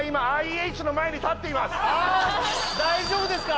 あ大丈夫ですか？